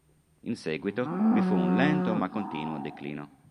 In seguito vi fu un lento ma continuo declino.